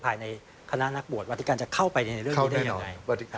ภายในคณะนักบวชวัฒิการจะเข้าไปในเรื่องนี้ได้ยังไง